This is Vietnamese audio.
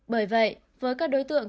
bởi vậy với các đối tượng